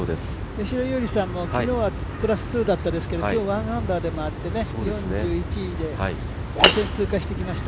吉田優利さんも昨日はプラス２でしたけど今日１アンダーで回って４１位で予選通過してきました。